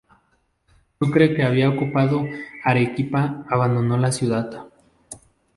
Sucre que había ocupado Arequipa, abandonó la ciudad.